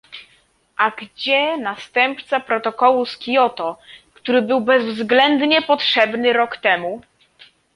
A gdzie następca protokołu z Kioto, który był bezwzględnie potrzebny rok temu?